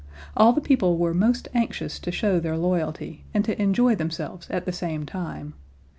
All the people were most anxious to show their loyalty, and to enjoy themselves at the same time.